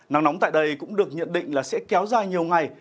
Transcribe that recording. năng nóng tại đây cũng được nhận định sẽ kéo dài nhiều ngày